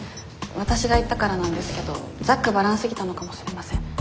わたしが言ったからなんですけどざっくばらんすぎたのかもしれません。